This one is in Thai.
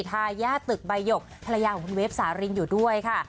ทายาทตึกใบหยกภรรยาของคุณเวฟสารินอยู่ด้วยค่ะ